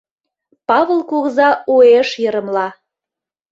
— Павыл кугыза уэш йырымла.